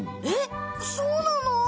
えっそうなの？